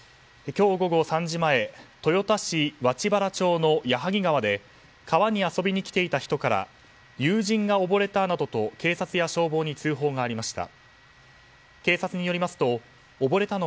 今日午後３時前、豊田市月原町の矢作川で川に遊びに来ていた人から友人が溺れたなどと警察や消防に通報がありました。